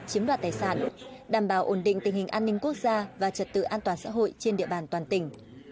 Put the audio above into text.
chiếm đoạt tài sản đảm bảo ổn định tình hình an ninh quốc gia và trật tự an toàn xã hội trên địa bàn toàn tỉnh